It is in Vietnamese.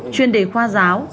chuyên đề khoa giáo